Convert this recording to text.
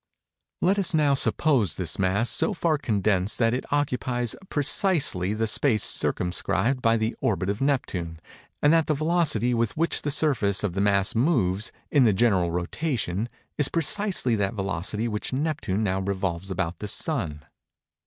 Let us now suppose this mass so far condensed that it occupies precisely the space circumscribed by the orbit of Neptune, and that the velocity with which the surface of the mass moves, in the general rotation, is precisely that velocity with which Neptune now revolves about the Sun.